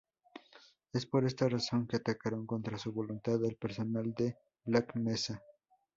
Es por esta razón que atacaron contra su voluntad al personal de Black Mesa.